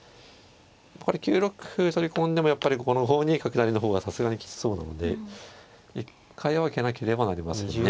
これ９六歩取り込んでもやっぱりこの５二角成の方がさすがにきつそうなので一回は受けなければなりませんね。